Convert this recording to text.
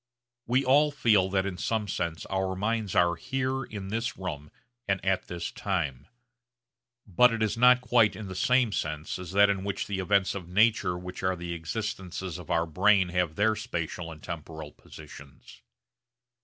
We all feel that in some sense our minds are here in this room and at this time. But it is not quite in the same sense as that in which the events of nature which are the existences of our brains have their spatial and temporal positions.